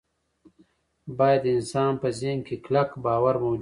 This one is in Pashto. باید د انسان په ذهن کې کلک باور موجود وي